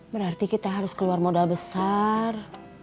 berarti kita harus keluar modal besar